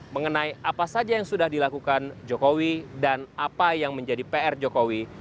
mengenai apa saja yang sudah dilakukan jokowi dan apa yang menjadi pr jokowi